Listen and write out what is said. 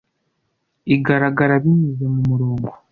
igaragara binyuze mumurongo